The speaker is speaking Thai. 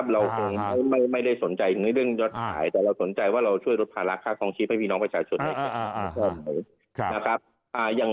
เราไม่ได้สนใจเรื่องยอดขายแต่เราสนใจว่าเราช่วยรถพาลักษณ์ค่าทองชีพให้พี่น้องประชาชน